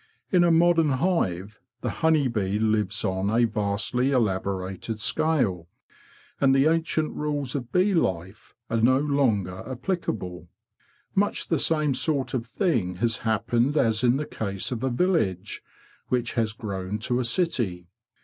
In a modern hive the honey bee lives on a vastly elaborated scale, and the ancient rules of bee life are no longer applicable. Much the same sort of thing has happened as in the case of a village which has grown to a city.